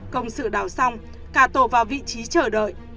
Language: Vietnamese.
công sự đào xong cả tổ vào vị trí chờ đợi